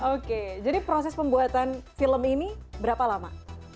oke jadi proses pembuatan film ini berapa lama